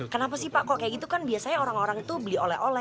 kenapa sih pak kok kayak gitu kan biasanya orang orang itu beli oleh oleh